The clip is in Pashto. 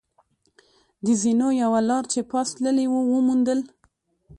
د زینو یوه لار چې پاس تللې وه، و موندل.